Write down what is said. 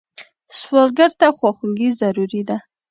سوالګر ته خواخوږي ضروري ده